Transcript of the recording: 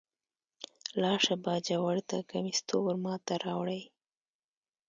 لاړ شه باجوړ ته کمیس تور ما ته راوړئ.